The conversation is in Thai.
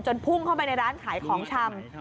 พุ่งเข้าไปในร้านขายของชำ